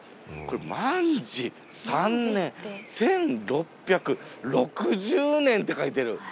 これ「万治３年１６６０年」って書いてる。